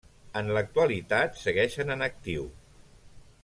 En l'actualitat segueixen en actiu.